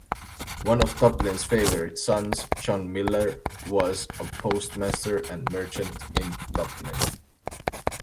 One of Duplin's favorite sons, John Miller, was a postmaster and merchant in Duplin.